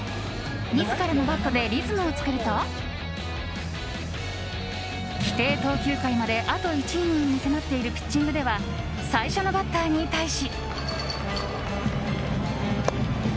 自らのバットでリズムを作ると規定投球回まであと１イニングまでに迫っているピッチングでは最初のバッターに対し。